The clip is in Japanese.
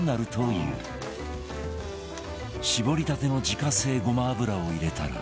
搾りたての自家製ごま油を入れたら